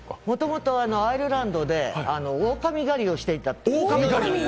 もともとアイルランドでオオカミ狩りをしていた。